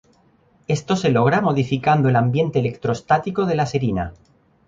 Esto se logra modificando el ambiente electrostático de la serina.